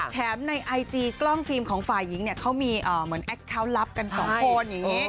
ในไอจีกล้องฟิล์มของฝ่ายหญิงเนี่ยเขามีเหมือนแอคเคาน์ลับกันสองคนอย่างนี้